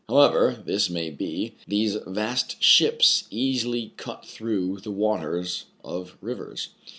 However this may be, these vast ships easily cut through the waters of rivers.